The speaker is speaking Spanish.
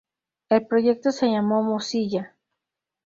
El proyecto se llamó Mozilla.